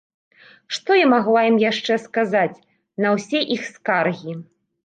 Што я магла ім яшчэ сказаць на ўсе іх скаргі?